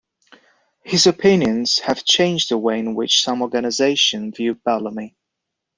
His opinions have changed the way in which some organisations view Bellamy.